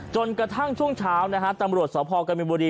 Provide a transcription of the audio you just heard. จนกระทั่งช่วงเช้าตำรวจสภอกรรมิบุรี